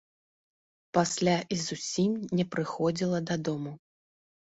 Пасля і зусім не прыходзіла дадому.